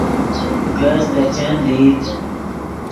کز دے چند لئیت